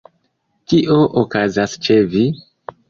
Kio okazas ĉe vi?